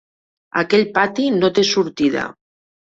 Aquell pati no té sortida.